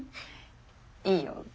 いいよ。